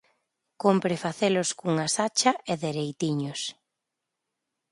Cómpre facelos cunha sacha e dereitiños.